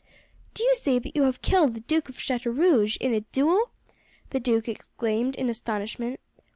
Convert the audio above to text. "Do you say that you have killed the Duke of Chateaurouge in a duel?" the duke exclaimed in astonishment.